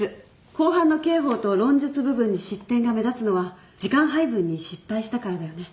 後半の刑法と論述部分に失点が目立つのは時間配分に失敗したからだよね。